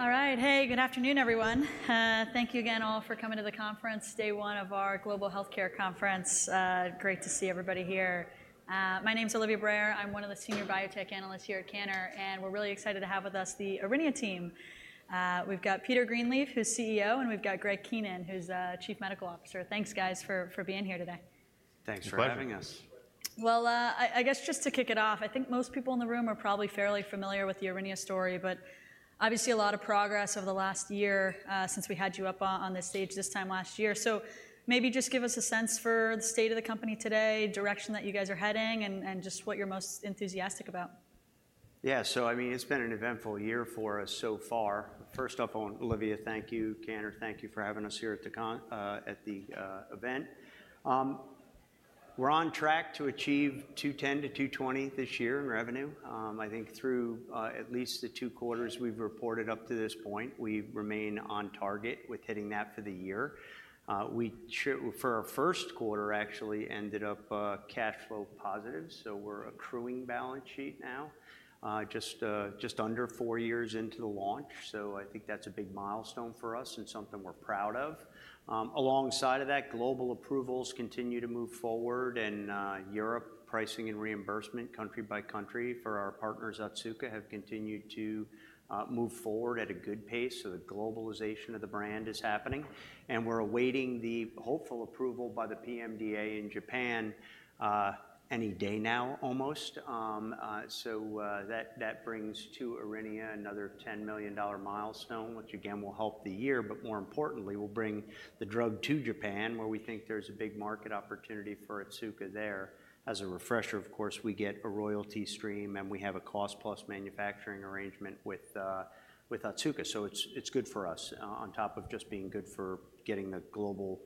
All right. Hey, good afternoon, everyone. Thank you again all for coming to the conference, day one of our Global Healthcare Conference. Great to see everybody here. My name's Olivia Brayer. I'm one of the senior biotech analysts here at Cantor, and we're really excited to have with us the Aurinia team. We've got Peter Greenleaf, who's CEO, and we've got Greg Keenan, who's Chief Medical Officer. Thanks, guys, for being here today. Thanks for having us. It's a pleasure. Well, I guess just to kick it off, I think most people in the room are probably fairly familiar with the Aurinia story, but obviously a lot of progress over the last year since we had you up on this stage this time last year. So maybe just give us a sense for the state of the company today, direction that you guys are heading, and just what you're most enthusiastic about. Yeah. So I mean, it's been an eventful year for us so far. First off, Olivia, thank you, Cantor, thank you for having us here at the event. We're on track to achieve $210 million-$220 million this year in revenue. I think through at least the two quarters we've reported up to this point, we remain on target with hitting that for the year. For our first quarter, actually ended up cash flow positive, so we're strengthening our balance sheet now, just under four years into the launch. So I think that's a big milestone for us and something we're proud of. Alongside of that, global approvals continue to move forward, and Europe pricing and reimbursement, country by country, for our partners, Otsuka, have continued to move forward at a good pace, so the globalization of the brand is happening, and we're awaiting the hopeful approval by the PMDA in Japan any day now, almost. So that brings to Aurinia another $10 million milestone, which, again, will help the year, but more importantly, will bring the drug to Japan, where we think there's a big market opportunity for Otsuka there. As a refresher, of course, we get a royalty stream, and we have a cost-plus manufacturing arrangement with Otsuka, so it's good for us on top of just being good for getting the global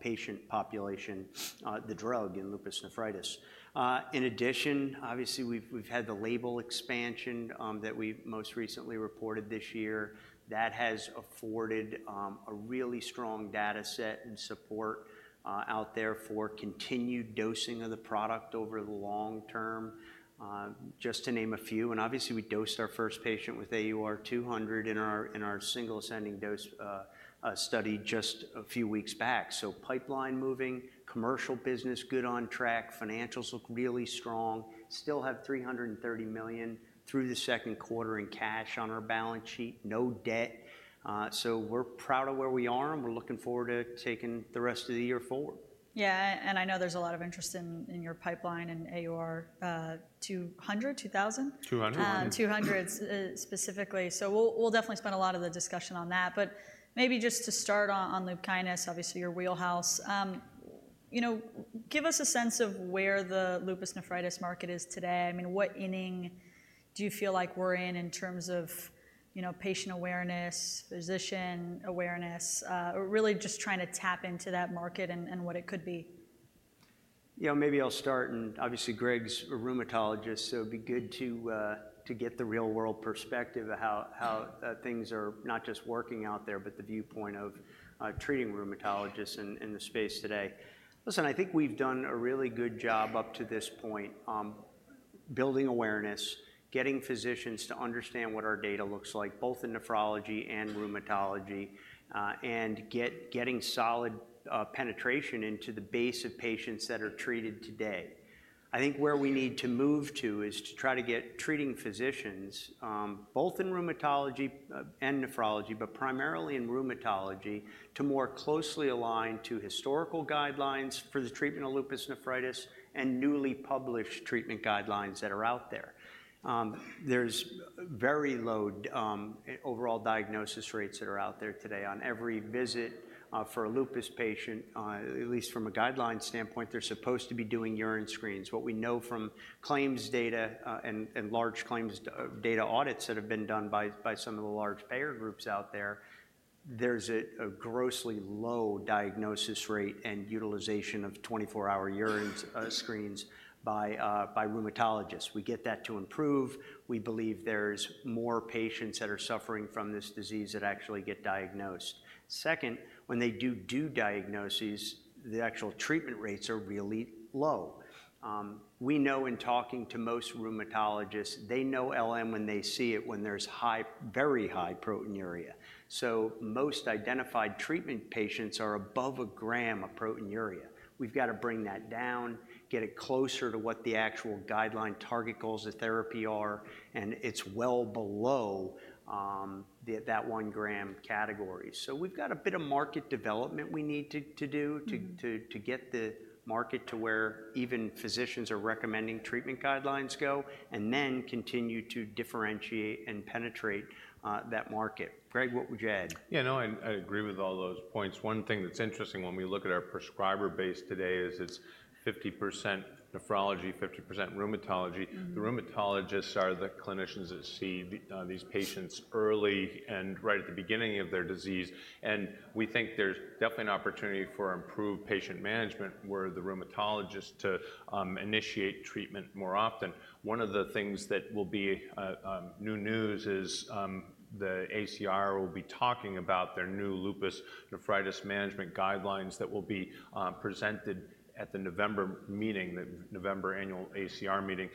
patient population the drug in lupus nephritis. In addition, obviously, we've had the label expansion that we most recently reported this year. That has afforded a really strong data set and support out there for continued dosing of the product over the long term, just to name a few. And obviously, we dosed our first patient with AUR-200 in our single-ascending dose study just a few weeks back. So pipeline moving, commercial business good on track, financials look really strong. Still have $330 million through the second quarter in cash on our balance sheet, no debt. So we're proud of where we are, and we're looking forward to taking the rest of the year forward. Yeah, and I know there's a lot of interest in your pipeline in AUR-200. 200. AUR-200 specifically, so we'll definitely spend a lot of the discussion on that, but maybe just to start on LUPKYNIS, obviously your wheelhouse. You know, give us a sense of where the lupus nephritis market is today. I mean, what inning do you feel like we're in in terms of, you know, patient awareness, physician awareness, or really just trying to tap into that market and what it could be? Yeah, maybe I'll start, and obviously, Greg's a rheumatologist, so it'd be good to get the real-world perspective of how things are not just working out there, but the viewpoint of treating rheumatologists in the space today. Listen, I think we've done a really good job up to this point, building awareness, getting physicians to understand what our data looks like, both in nephrology and rheumatology, and getting solid penetration into the base of patients that are treated today. I think where we need to move to is to try to get treating physicians, both in rheumatology and nephrology, but primarily in rheumatology, to more closely align to historical guidelines for the treatment of lupus nephritis and newly published treatment guidelines that are out there. There's very low overall diagnosis rates that are out there today. On every visit, for a lupus patient, at least from a guidelines standpoint, they're supposed to be doing urine screens. What we know from claims data and large claims data audits that have been done by some of the large payer groups out there, there's a grossly low diagnosis rate and utilization of 24-hour urine screens by rheumatologists. We get that to improve, we believe there's more patients that are suffering from this disease that actually get diagnosed. Second, when they do diagnoses, the actual treatment rates are really low. We know in talking to most rheumatologists, they know LN when they see it, when there's very high proteinuria. So most identified treatment patients are above 1 g of proteinuria. We've got to bring that down, get it closer to what the actual guideline target goals of therapy are, and it's well below the that 1 g category. So we've got a bit of market development we need to do- Mm-hmm. To get the market to where even physicians are recommending treatment guidelines go, and then continue to differentiate and penetrate that market. Greg, what would you add? Yeah, no, I agree with all those points. One thing that's interesting when we look at our prescriber base today is it's 50% nephrology, 50% rheumatology. Mm. The rheumatologists are the clinicians that see these patients early and right at the beginning of their disease, and we think there's definitely an opportunity for improved patient management, where the rheumatologist initiate treatment more often. One of the things that will be new news is the ACR will be talking about their new lupus nephritis management guidelines that will be presented at the November meeting, the November annual ACR meeting.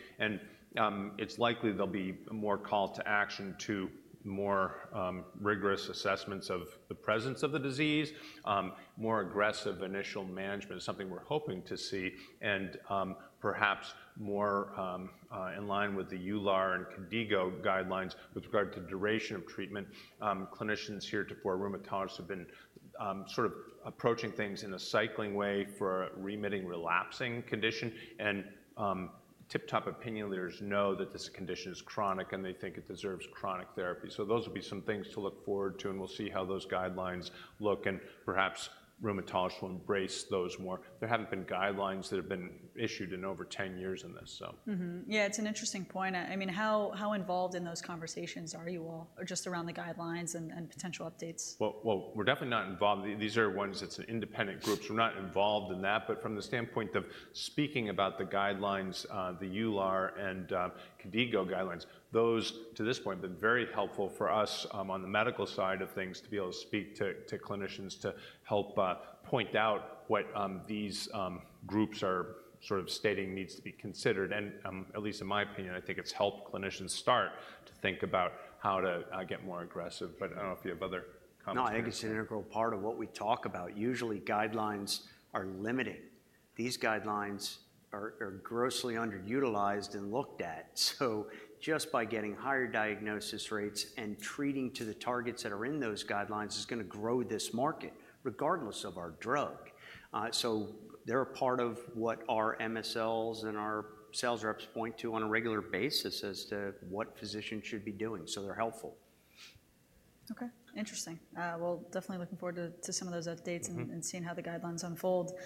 It's likely there'll be more call to action to more rigorous assessments of the presence of the disease, more aggressive initial management, something we're hoping to see, and perhaps more in line with the EULAR and KDIGO guidelines with regard to duration of treatment. Clinicians here, to... Poor rheumatologists have been sort of approaching things in a cycling way for remitting, relapsing condition, and top opinion leaders know that this condition is chronic, and they think it deserves chronic therapy. So those will be some things to look forward to, and we'll see how those guidelines look, and perhaps rheumatologists will embrace those more. There haven't been guidelines that have been issued in over 10 years in this, so... Yeah, it's an interesting point. I mean, how involved in those conversations are you all, or just around the guidelines and potential updates? We're definitely not involved. These are ones that's an independent groups. We're not involved in that. But from the standpoint of speaking about the guidelines, the EULAR and KDIGO guidelines, those, to this point, have been very helpful for us on the medical side of things, to be able to speak to clinicians to help point out what these groups are sort of stating needs to be considered. At least in my opinion, I think it's helped clinicians start to think about how to get more aggressive. But I don't know if you have other comments. No, I think it's an integral part of what we talk about. Usually, these guidelines are grossly underutilized and looked at. So just by getting higher diagnosis rates and treating to the targets that are in those guidelines is going to grow this market, regardless of our drug. So they're a part of what our MSLs and our sales reps point to on a regular basis as to what physicians should be doing, so they're helpful. Okay, interesting. Well, definitely looking forward to some of those updates- Mm-hmm. and seeing how the guidelines unfold.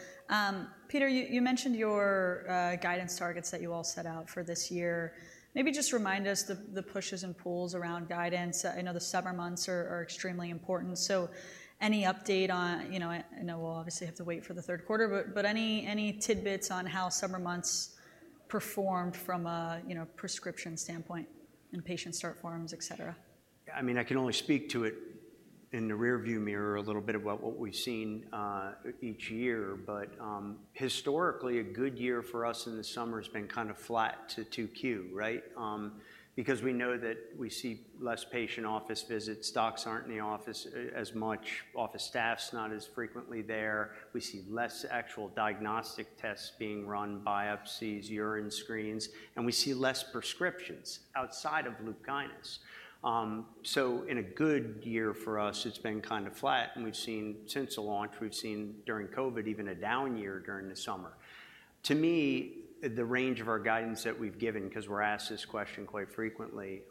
Peter, you mentioned your guidance targets that you all set out for this year. Maybe just remind us the pushes and pulls around guidance. I know the summer months are extremely important, so any update on, you know, I know we'll obviously have to wait for the third quarter, but any tidbits on how summer months performed from a, you know, prescription standpoint and patient start forms, et cetera? I mean, I can only speak to it in the rearview mirror a little bit about what we've seen each year. But historically, a good year for us in the summer has been kind of flat to 2Q, right? Because we know that we see less patient office visits, docs aren't in the office as much, office staff's not as frequently there. We see less actual diagnostic tests being run, biopsies, urine screens, and we see less prescriptions outside of LUPKYNIS. So in a good year for us, it's been kind of flat, and we've seen... Since the launch, we've seen, during COVID, even a down year during the summer. To me, the range of our guidance that we've given, because we're asked this question quite frequently,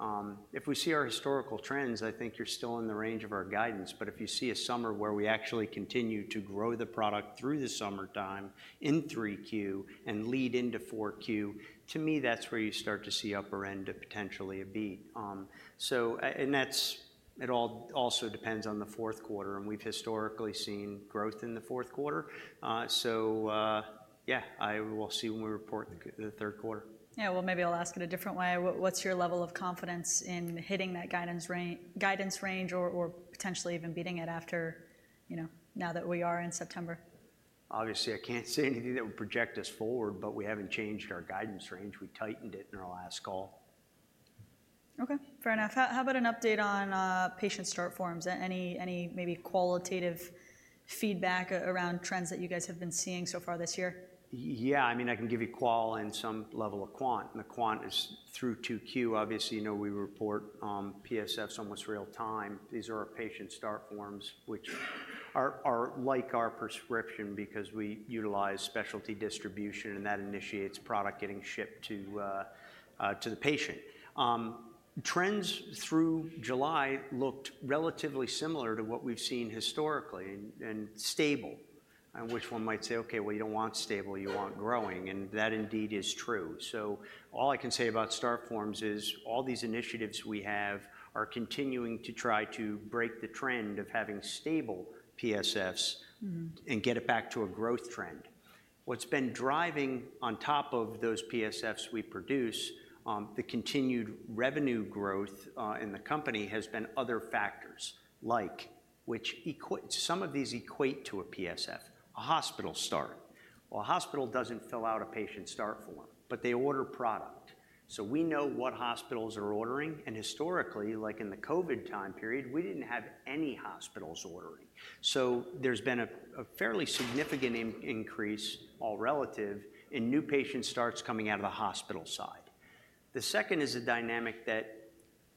if we see our historical trends, I think you're still in the range of our guidance. But if you see a summer where we actually continue to grow the product through the summertime in 3Q and lead into 4Q, to me, that's where you start to see upper end of potentially a beat. So it all also depends on the fourth quarter, and we've historically seen growth in the fourth quarter. So, yeah, we'll see when we report the third quarter. Yeah, well, maybe I'll ask it a different way. What's your level of confidence in hitting that guidance range or potentially even beating it after, you know, now that we are in September? Obviously, I can't say anything that would project us forward, but we haven't changed our guidance range. We tightened it in our last call. Okay, fair enough. How about an update on patient start forms? Any maybe qualitative feedback around trends that you guys have been seeing so far this year? Yeah, I mean, I can give you qual and some level of quant, and the quant is through 2Q. Obviously, you know we report PSFs almost real time. These are our patient start forms, which are like our prescription because we utilize specialty distribution, and that initiates product getting shipped to the patient. Trends through July looked relatively similar to what we've seen historically and stable. And which one might say, "Okay, well, you don't want stable, you want growing," and that indeed is true. So all I can say about start forms is all these initiatives we have are continuing to try to break the trend of having stable PSFs- Mm-hmm. - and get it back to a growth trend. What's been driving on top of those PSFs we produce, the continued revenue growth in the company has been other factors, like, Some of these equate to a PSF, a hospital start. Well, a hospital doesn't fill out a patient start form, but they order product. So we know what hospitals are ordering, and historically, like in the COVID time period, we didn't have any hospitals ordering. So there's been a fairly significant increase, all relative, in new patient starts coming out of the hospital side. The second is a dynamic that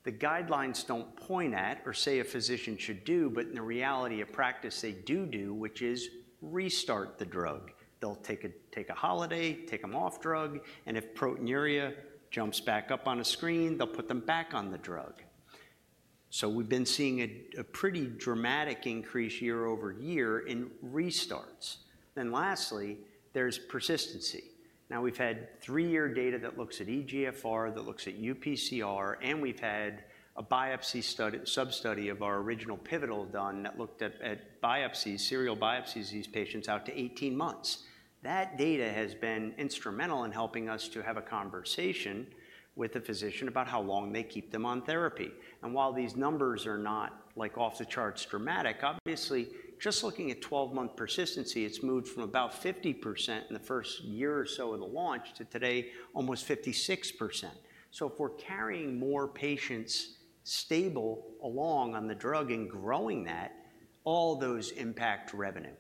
the guidelines don't point at or say a physician should do, but in the reality of practice, they do, which is restart the drug. They'll take a holiday, take them off drug, and if proteinuria jumps back up on a screen, they'll put them back on the drug. So we've been seeing a pretty dramatic increase year over year in restarts. Then lastly, there's persistency. Now, we've had three-year data that looks at eGFR, that looks at UPCR, and we've had a biopsy study, sub-study of our original pivotal done that looked at biopsies, serial biopsies, these patients out to 18 months. That data has been instrumental in helping us to have a conversation with a physician about how long they keep them on therapy. And while these numbers are not, like, off the charts dramatic, obviously, just looking at twelve-month persistency, it's moved from about 50% in the first year or so of the launch to today, almost 56%. So if we're carrying more patients stable along on the drug and growing that, all those impact revenue.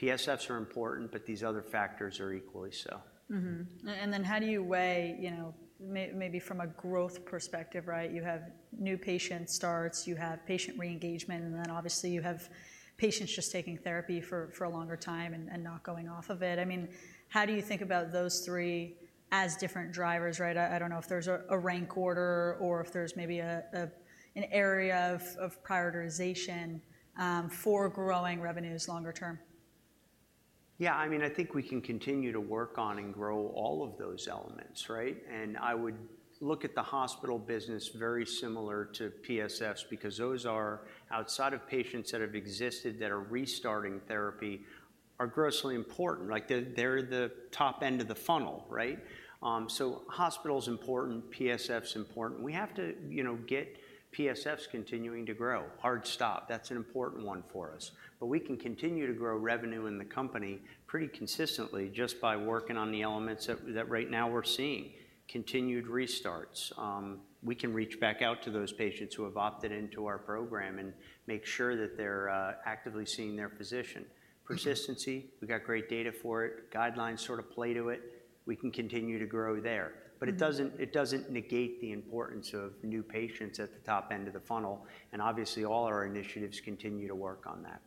PSFs are important, but these other factors are equally so. Mm-hmm. And then how do you weigh, you know, maybe from a growth perspective, right? You have new patient starts, you have patient re-engagement, and then obviously, you have patients just taking therapy for a longer time and not going off of it. I mean, how do you think about those three as different drivers, right? I don't know if there's a rank order or if there's maybe an area of prioritization for growing revenues longer term. Yeah, I mean, I think we can continue to work on and grow all of those elements, right? And I would look at the hospital business very similar to PSFs because those are outside of patients that have existed, that are restarting therapy, are grossly important. Like, they're the top end of the funnel, right? So hospital's important, PSF's important. We have to, you know, get PSFs continuing to grow. Hard stop, that's an important one for us. But we can continue to grow revenue in the company pretty consistently just by working on the elements that right now we're seeing. Continued restarts, we can reach back out to those patients who have opted into our program and make sure that they're actively seeing their physician. Persistency, we've got great data for it, guidelines sort of play to it. We can continue to grow there. Mm-hmm. But it doesn't, it doesn't negate the importance of new patients at the top end of the funnel, and obviously, all our initiatives continue to work on that....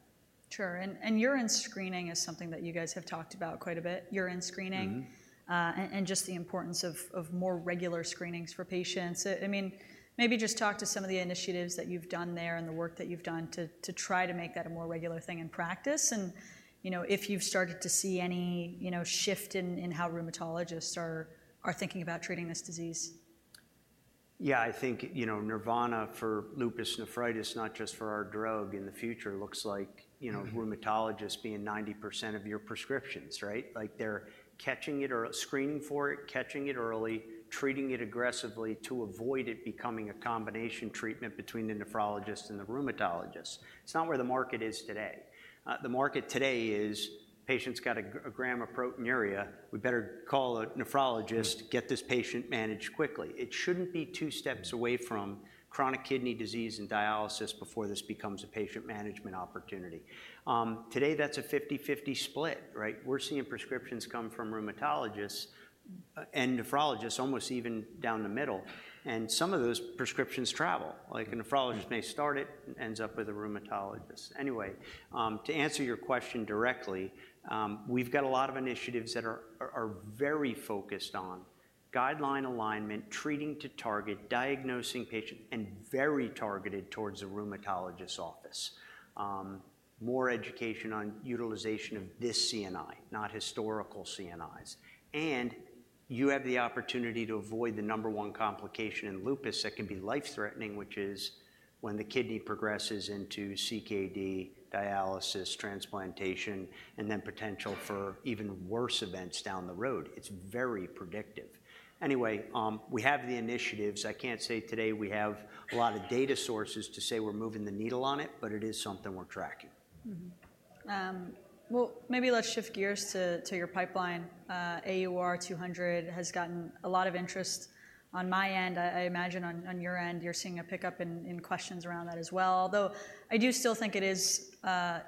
Sure. Urine screening is something that you guys have talked about quite a bit, urine screening. Mm-hmm. Just the importance of more regular screenings for patients. I mean, maybe just talk to some of the initiatives that you've done there and the work that you've done to try to make that a more regular thing in practice. You know, if you've started to see any, you know, shift in how rheumatologists are thinking about treating this disease. Yeah, I think, you know, nirvana for lupus nephritis, not just for our drug in the future, looks like, you know- Mm-hmm... rheumatologists being 90% of your prescriptions, right? Like, they're catching it early screening for it, catching it early, treating it aggressively to avoid it becoming a combination treatment between the nephrologist and the rheumatologist. It's not where the market is today. The market today is, patient's got 1 g of proteinuria, we better call a nephrologist get this patient managed quickly. It shouldn't be two steps away from chronic kidney disease and dialysis before this becomes a patient management opportunity. Today, that's a 50/50 split, right? We're seeing prescriptions come from rheumatologists and nephrologists almost even down the middle, and some of those prescriptions travel. Like, a nephrologist may start it, ends up with a rheumatologist. Anyway, to answer your question directly, we've got a lot of initiatives that are very focused on guideline alignment, treating to target, diagnosing patient, and very targeted towards the rheumatologist's office. More education on utilization of this CNI, not historical CNIs. You have the opportunity to avoid the number one complication in lupus that can be life-threatening, which is when the kidney progresses into CKD, dialysis, transplantation, and then potential for even worse events down the road. It's very predictive. Anyway, we have the initiatives. I can't say today we have a lot of data sources to say we're moving the needle on it, but it is something we're tracking. Mm-hmm. Well, maybe let's shift gears to your pipeline. AUR-200 has gotten a lot of interest on my end. I imagine on your end, you're seeing a pickup in questions around that as well, although I do still think it is...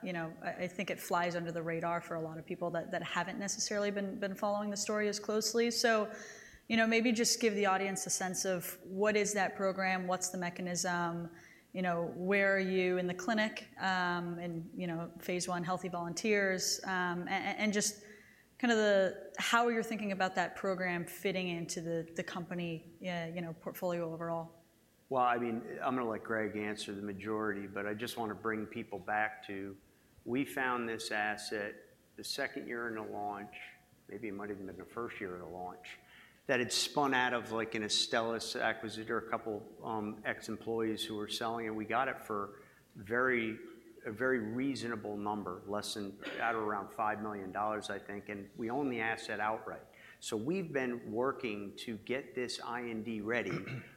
you know, I think it flies under the radar for a lot of people that haven't necessarily been following the story as closely. So, you know, maybe just give the audience a sense of what is that program, what's the mechanism, you know, where are you in the clinic, and, you know, phase I, healthy volunteers, and just kind of the how you're thinking about that program fitting into the company portfolio overall. I mean, I'm gonna let Greg answer the majority, but I just wanna bring people back to, we found this asset the second year in the launch, maybe it might even have been the first year in the launch, that it spun out of, like, an Astellas acquisition or a couple, ex-employees who were selling, and we got it for a very reasonable number, less than, at around $5 million, I think, and we own the asset outright. So we've been working to get this IND ready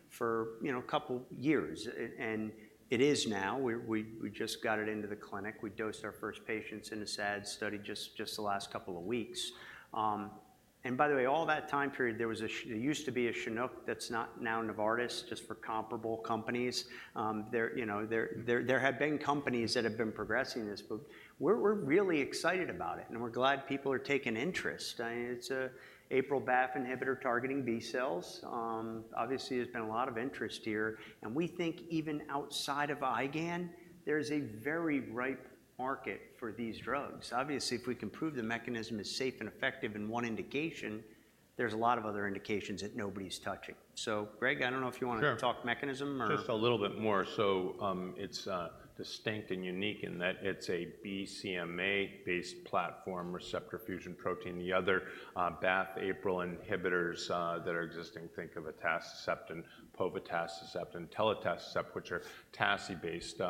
for, you know, a couple years, and it is now. We just got it into the clinic. We dosed our first patients in a SAD study just the last couple of weeks. And by the way, all that time period, there used to be a Chinook that's now Novartis, just for comparable companies. You know, there have been companies that have been progressing this, but we're really excited about it, and we're glad people are taking interest. I mean, it's an APRIL BAFF inhibitor targeting B cells. Obviously, there's been a lot of interest here, and we think even outside of IgAN, there's a very ripe market for these drugs. Obviously, if we can prove the mechanism is safe and effective in one indication, there's a lot of other indications that nobody's touching. So Greg, I don't know if you want to- Sure... talk mechanism or? Just a little bit more. So, it's distinct and unique in that it's a BCMA-based platform receptor fusion protein. The other BAFF APRIL inhibitors that are existing, think of atacicept and povatacicept and telitacicept, which are TACI-based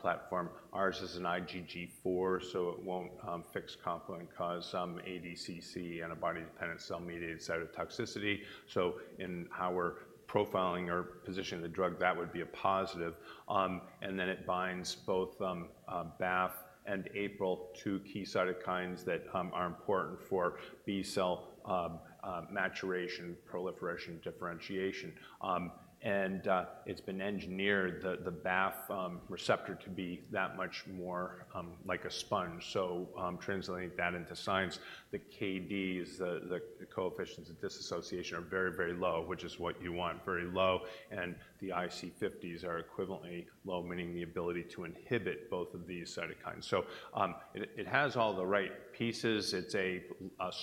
platform. Ours is an IgG4, so it won't fix complement and cause ADCC, antibody-dependent cell-mediated cytotoxicity. So in how we're profiling or positioning the drug, that would be a positive. And then it binds both BAFF and APRIL, two key cytokines that are important for B-cell maturation, proliferation, differentiation. And it's been engineered, the BAFF receptor to be that much more like a sponge. So, translating that into science, the KDs, the coefficients of dissociation are very, very low, which is what you want, very low, and the IC50s are equivalently low, meaning the ability to inhibit both of these cytokines. So, it has all the right pieces. It's a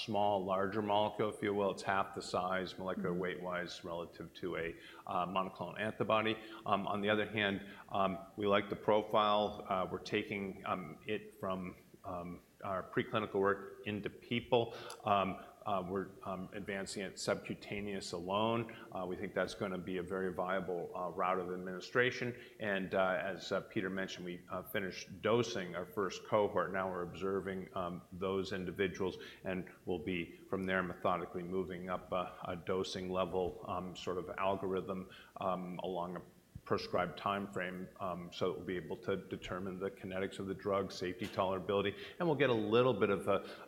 small, larger molecule, if you will. It's half the size, molecular weight-wise, relative to a monoclonal antibody. On the other hand, we like the profile. We're taking it from our preclinical work into people. We're advancing it subcutaneous alone. We think that's gonna be a very viable route of administration, and, as Peter mentioned, we finished dosing our first cohort. Now we're observing those individuals, and we'll be, from there, methodically moving up a dosing level sort of algorithm along a prescribed timeframe, so that we'll be able to determine the kinetics of the drug, safety, tolerability, and we'll get a little bit of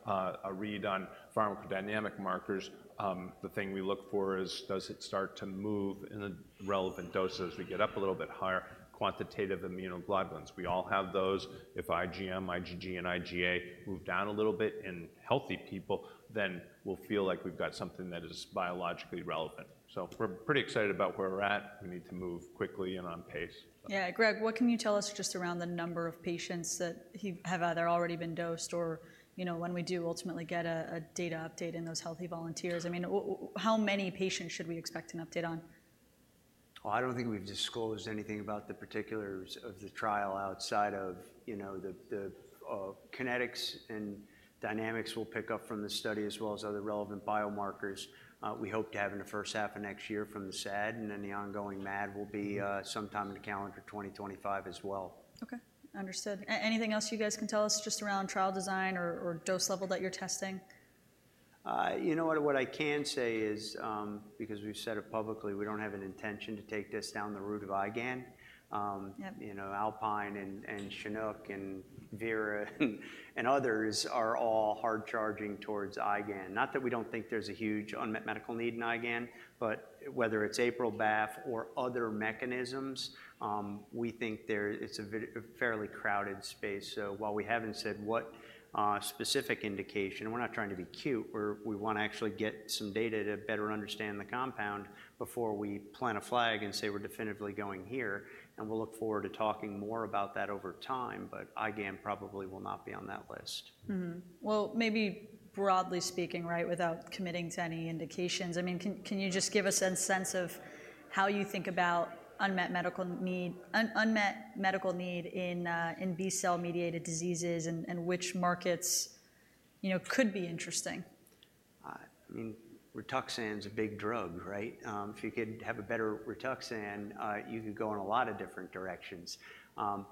a read on pharmacodynamic markers. The thing we look for is, does it start to move in the relevant doses as we get up a little bit higher, quantitative immunoglobulins. We all have those. If IgM, IgG, and IgA move down a little bit in healthy people, then we'll feel like we've got something that is biologically relevant. So we're pretty excited about where we're at. We need to move quickly and on pace. Yeah. Greg, what can you tell us just around the number of patients that have either already been dosed or, you know, when we do ultimately get a data update in those healthy volunteers? I mean, how many patients should we expect an update on?... Oh, I don't think we've disclosed anything about the particulars of the trial outside of, you know, the kinetics and dynamics we'll pick up from this study, as well as other relevant biomarkers. We hope to have in the first half of next year from the SAD, and then the ongoing MAD will be sometime in the calendar 2025 as well. Okay, understood. Anything else you guys can tell us just around trial design or dose level that you're testing? You know what? What I can say is, because we've said it publicly, we don't have an intention to take this down the route of IgAN. Yep. You know, Alpine and Chinook, and Vera, and others are all hard-charging towards IgAN. Not that we don't think there's a huge unmet medical need in IgAN, but whether it's APRIL/BAFF or other mechanisms, we think it's a fairly crowded space. So while we haven't said what specific indication, we're not trying to be cute, we wanna actually get some data to better understand the compound before we plant a flag and say we're definitively going here, and we'll look forward to talking more about that over time. But IgAN probably will not be on that list. Mm-hmm. Well, maybe broadly speaking, right, without committing to any indications, I mean, can you just give us a sense of how you think about unmet medical need in B-cell-mediated diseases and which markets, you know, could be interesting? I mean, RITUXAN's a big drug, right? If you could have a better RITUXAN, you could go in a lot of different directions,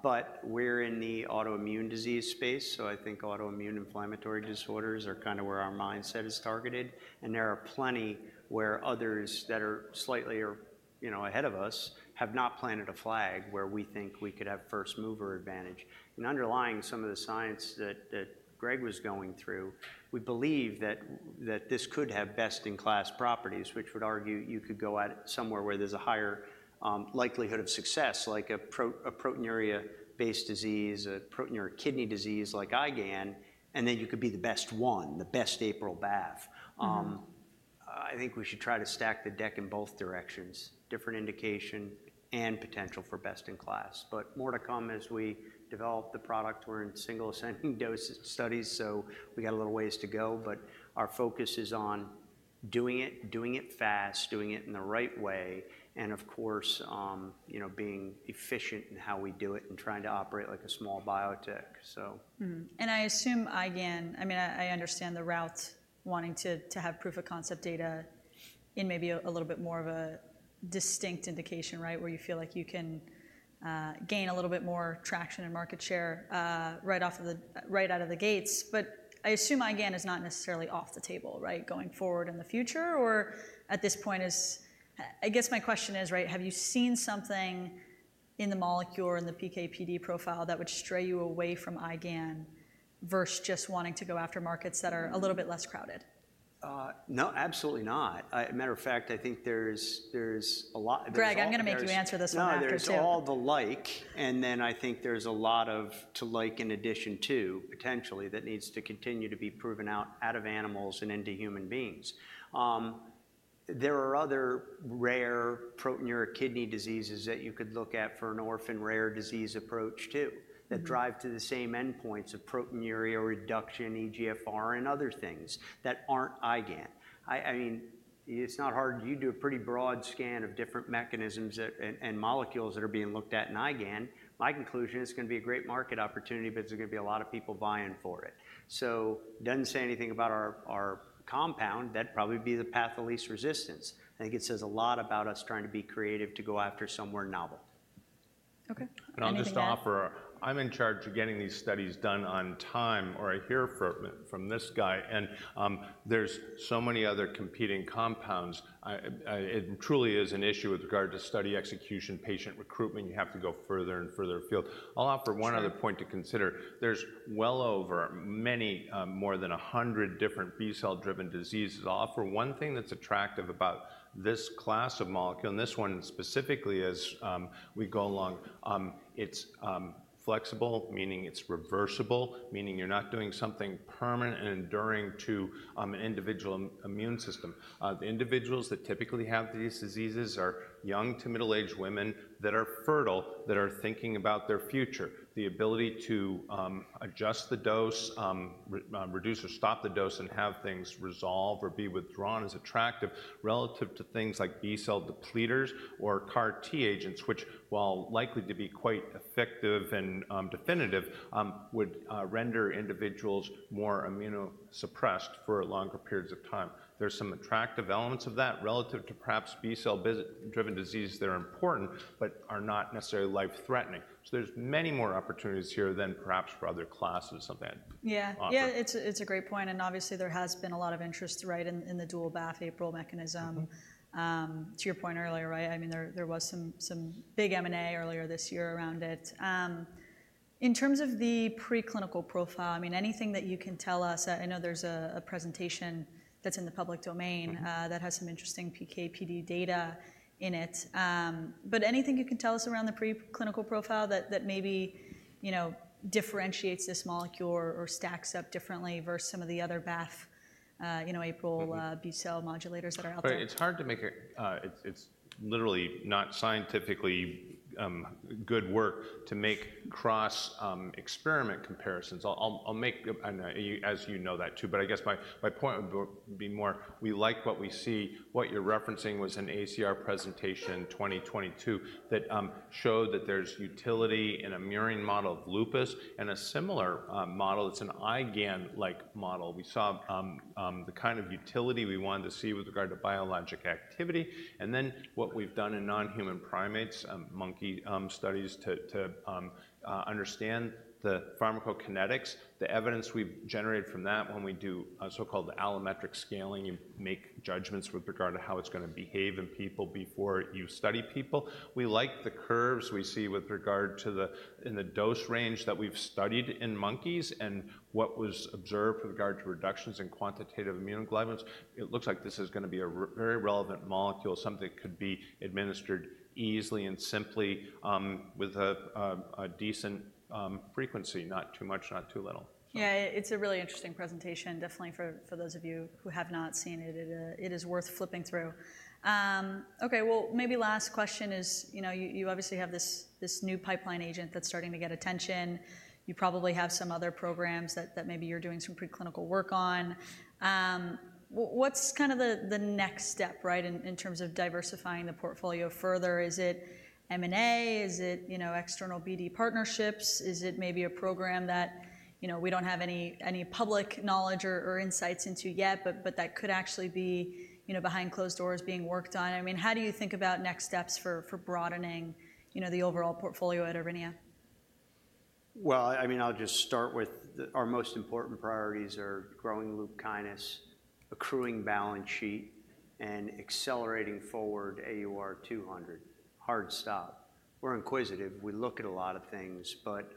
but we're in the autoimmune disease space, so I think autoimmune inflammatory disorders are kind of where our mindset is targeted, and there are plenty where others that are slightly or, you know, ahead of us, have not planted a flag, where we think we could have first-mover advantage, and underlying some of the science that Greg was going through, we believe that this could have best-in-class properties, which would argue you could go at it somewhere where there's a higher likelihood of success, like a proteinuria-based disease, a proteinuria kidney disease like IgAN, and then you could be the best one, the best APRIL/BAFF. Mm-hmm. I think we should try to stack the deck in both directions, different indication and potential for best-in-class, but more to come as we develop the product. We're in single ascending dose studies, so we got a little ways to go. But our focus is on doing it, doing it fast, doing it in the right way, and of course, you know, being efficient in how we do it, and trying to operate like a small biotech, so. Mm-hmm. And I assume IgAN... I mean, I understand the route, wanting to have proof-of-concept data in maybe a little bit more of a distinct indication, right? Where you feel like you can gain a little bit more traction and market share, right off of the-- right out of the gates. But I assume IgAN is not necessarily off the table, right, going forward in the future? Or at this point, is... I guess my question is, right, have you seen something in the molecule, in the PK/PD profile, that would stray you away from IgAN versus just wanting to go after markets that are- a little bit less crowded? No, absolutely not. Matter of fact, I think there's a lot. There's all. There's- Greg, I'm gonna make you answer this one after, too. No, there's all the like, and then I think there's a lot of to like in addition to, potentially, that needs to continue to be proven out of animals and into human beings. There are other rare proteinuria kidney diseases that you could look at for an orphan rare disease approach, too- Mm-hmm ... that drive to the same endpoints of proteinuria reduction, eGFR, and other things that aren't IgAN. I mean, it's not hard. You do a pretty broad scan of different mechanisms that and molecules that are being looked at in IgAN. My conclusion, it's gonna be a great market opportunity, but there's gonna be a lot of people vying for it. So doesn't say anything about our compound, that'd probably be the path of least resistance. I think it says a lot about us trying to be creative to go after somewhere novel. Okay. Anything that- I'll just offer, I'm in charge of getting these studies done on time, or I hear from this guy, and there's so many other competing compounds. It truly is an issue with regard to study execution, patient recruitment. You have to go further and further afield. That's right. I'll offer one other point to consider: There's well over many, more than a hundred different B-cell driven diseases. I'll offer one thing that's attractive about this class of molecule, and this one specifically, as we go along. It's flexible, meaning it's reversible, meaning you're not doing something permanent and enduring to an individual immune system. The individuals that typically have these diseases are young to middle-aged women that are fertile, that are thinking about their future. The ability to adjust the dose, reduce or stop the dose, and have things resolve or be withdrawn, is attractive relative to things like B-cell depleters or CAR T agents, which, while likely to be quite effective and definitive, would render individuals more immunosuppressed for longer periods of time. There's some attractive elements of that relative to perhaps B-cell driven diseases that are important, but are not necessarily life-threatening. So there's many more opportunities here than perhaps for other classes of that. Yeah -offer. Yeah, it's a great point, and obviously, there has been a lot of interest right in the dual BAFF/APRIL mechanism. Mm-hmm. To your point earlier, right, I mean, there was some big M&A earlier this year around it. In terms of the preclinical profile, I mean, anything that you can tell us. I know there's a presentation that's in the public domain. Mm-hmm... that has some interesting PK/PD data in it. But anything you can tell us around the preclinical profile that maybe, you know, differentiates this molecule or stacks up differently versus some of the other BAFF? You know, APRIL B-cell modulators that are out there. But it's hard to make a, it's literally not scientifically good work to make cross experiment comparisons. I'll make, and you, as you know that, too. But I guess my point would be more, we like what we see. What you're referencing was an ACR presentation 2022, that showed that there's utility in a murine model of lupus, and a similar model, it's an IgAN-like model. We saw the kind of utility we wanted to see with regard to biologic activity, and then what we've done in non-human primates, monkey studies to understand the pharmacokinetics. The evidence we've generated from that when we do so-called allometric scaling, you make judgments with regard to how it's gonna behave in people before you study people. We like the curves we see with regard to the dose range that we've studied in monkeys, and what was observed with regard to reductions in quantitative immunoglobulins. It looks like this is gonna be a very relevant molecule, something that could be administered easily and simply, with a decent frequency. Not too much, not too little. Yeah, it's a really interesting presentation, definitely for those of you who have not seen it. It is worth flipping through. Okay, well, maybe last question is, you know, you obviously have this new pipeline agent that's starting to get attention. You probably have some other programs that maybe you're doing some preclinical work on. What's kind of the next step, right, in terms of diversifying the portfolio further? Is it M&A? Is it, you know, external BD partnerships? Is it maybe a program that, you know, we don't have any public knowledge or insights into yet, but that could actually be, you know, behind closed doors being worked on? I mean, how do you think about next steps for broadening, you know, the overall portfolio at Aurinia? Well, I mean, I'll just start with our most important priorities are growing LUPKYNIS, accruing balance sheet, and accelerating forward AUR-200. Hard stop. We're inquisitive, we look at a lot of things, but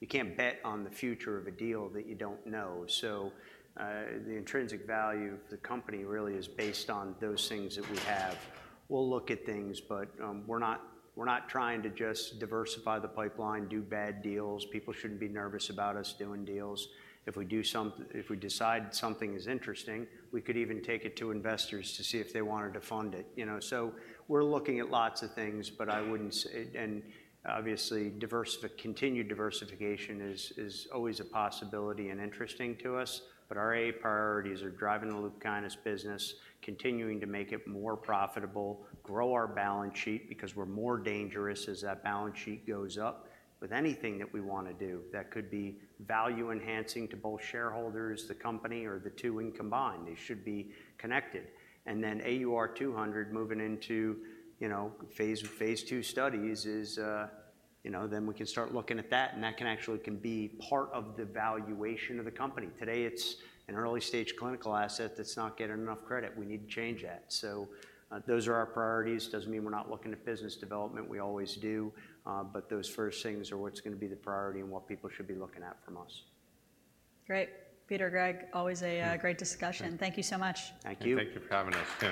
you can't bet on the future of a deal that you don't know. So the intrinsic value of the company really is based on those things that we have. We'll look at things, but we're not, we're not trying to just diversify the pipeline, do bad deals. People shouldn't be nervous about us doing deals. If we decide something is interesting, we could even take it to investors to see if they wanted to fund it, you know? So we're looking at lots of things, but I wouldn't say. And obviously, continued diversification is always a possibility and interesting to us, but our priorities are driving the LUPKYNIS business, continuing to make it more profitable, grow our balance sheet, because we're more dangerous as that balance sheet goes up. With anything that we wanna do, that could be value-enhancing to both shareholders, the company, or the two when combined, they should be connected. And then AUR-200 moving into, you know, phase II studies is, you know, then we can start looking at that, and that can actually be part of the valuation of the company. Today, it's an early-stage clinical asset that's not getting enough credit. We need to change that. So, those are our priorities. Doesn't mean we're not looking at business development, we always do. But those first things are what's gonna be the priority and what people should be looking at from us. Great. Peter, Greg, always a Yeah. Great discussion. Thank you so much. Thank you. Thank you for having us too.